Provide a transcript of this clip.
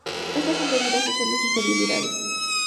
Estas son debidas a sendas infidelidades.